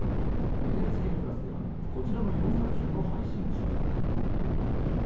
ＮＨＫプラスではこちらの４作品を配信中。